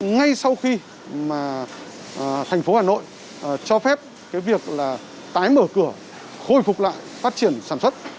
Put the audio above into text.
ngay sau khi mà thành phố hà nội cho phép cái việc là tái mở cửa khôi phục lại phát triển sản xuất